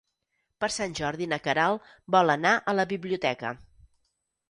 Per Sant Jordi na Queralt vol anar a la biblioteca.